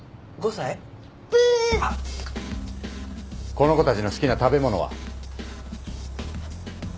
この子たちの好きな食べ物は？